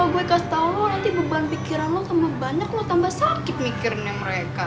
gue kasih tau lo nanti beban pikiran lo tambah banyak lo tambah sakit mikirnya mereka